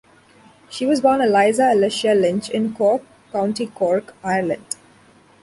She was born Eliza Alicia Lynch in Cork, County Cork, Ireland.